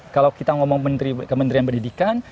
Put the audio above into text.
kalau kita ngomong kementerian pendidikan